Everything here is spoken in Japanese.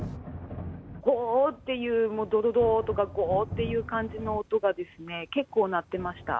ごーっていう、ごろごろとか、ごーっていう感じの音がですね、結構鳴ってました。